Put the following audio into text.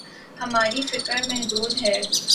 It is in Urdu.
ہماری فکر محدود ہے۔